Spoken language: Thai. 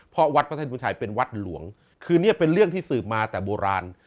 เพราะวัดพระท่านผู้ชัยเป็นวัดหลวงคือเนี่ยเป็นเรื่องที่สืบมาแต่โบราณ